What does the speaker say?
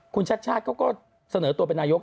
คุณชาติชาติก็สเนอตัวเป็นนายก